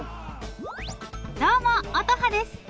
どうも乙葉です！